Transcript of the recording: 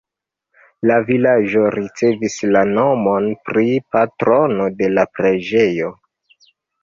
La vilaĝo ricevis la nomon pri patrono de la preĝejo.